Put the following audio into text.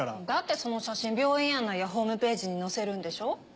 だってその写真病院案内やホームページに載せるんでしょ。